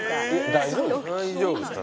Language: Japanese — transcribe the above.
大丈夫ですかね。